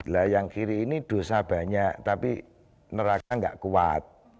layang kiri ini dosa banyak tapi neraka gak kuat